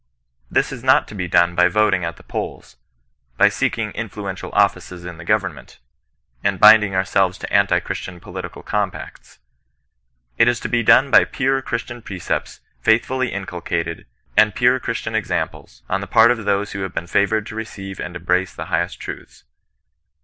This is not to be done by voting at the polls, by seeking influential offices in the government, and bind ing ourselves to anti Christian political compacts. It is to be done by pure Christian precepts faithfully incul cated, and pure Christian examples, on the part of those who have been favoured to receive and embrace the highest truths.